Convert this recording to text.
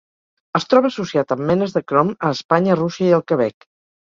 Es troba associat amb menes de crom a Espanya, Rússia i el Quebec.